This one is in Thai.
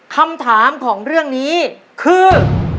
คำถามของเรื่องนี้คือ